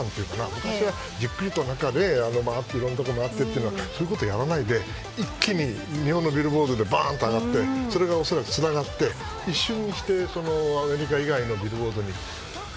昔はじっくりと回っていったんだけどそういうことをやらないで一気に日本のビルボードでバーンと上がってそれがつながって一瞬にしてアメリカ以外のビルボードに。